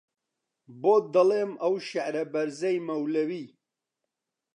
بۆت دەڵێم ئەو شێعرە بەرزەی مەولەوی